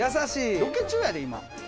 ロケ中やで今。